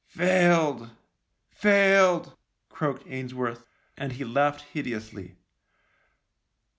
" Failed ! Failed !" croaked Ainsworth, and he laughed hideously.